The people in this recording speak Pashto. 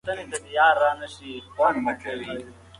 هغه وویل چې پښتو زما د زړه ژبه ده.